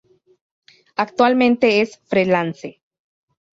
Actualmente es freelance.